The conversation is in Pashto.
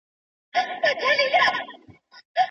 لکه نغمه لکه سيتار